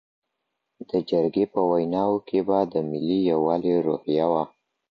د جرګي په ویناوو کي به د ملي یووالي روحیه وه.